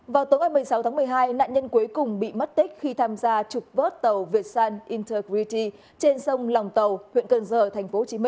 vào tối ngày một mươi sáu tháng một mươi hai nạn nhân cuối cùng bị mất tích khi tham gia trục vớt tàu việt san integrity trên sông lòng tàu huyện cơn giờ tp hcm